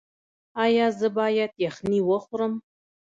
ایا زه باید یخني وخورم؟